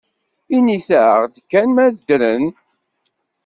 Init-aɣ-d kan ma ddren?